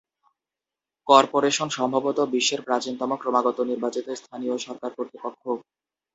Corporation সম্ভবত বিশ্বের প্রাচীনতম ক্রমাগত নির্বাচিত স্থানীয় সরকার কর্তৃপক্ষ।